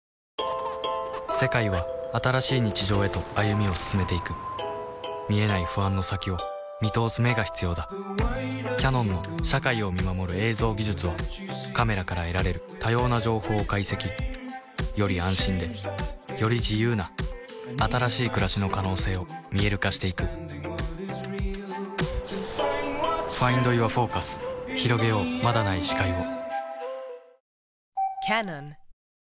世界は新しい日常へと歩みを進めていく見えない不安の先を見通す眼が必要だキヤノンの社会を見守る映像技術はカメラから得られる多様な情報を解析より安心でより自由な新しい暮らしの可能性を見える化していくひろげようまだない視界をパパ。